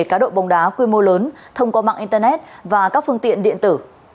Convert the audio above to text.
cá độ bóng đá quy mô lớn thông qua mạng internet và các phương tiện điện tử